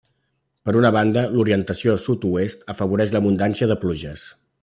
Per una banda, l'orientació sud-oest, afavoreix l'abundància de pluges.